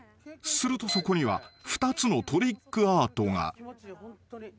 ［するとそこには２つのトリックアートが］